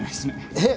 えっ？